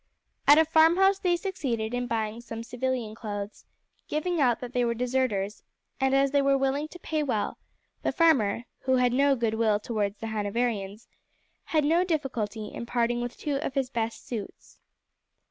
At a farm house they succeeded in buying some civilian clothes, giving out that they were deserters, and as they were willing to pay well, the farmer, who had no goodwill towards the Hanoverians, had no difficulty in parting with two of his best suits.